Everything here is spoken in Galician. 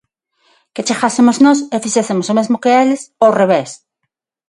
Que chegásemos nós e fixésemos o mesmo que eles ao revés.